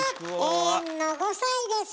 永遠の５さいです。